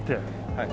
はい。